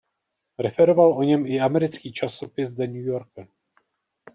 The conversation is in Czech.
Referoval o něm i americký časopis The New Yorker.